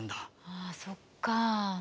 ああそっかあ。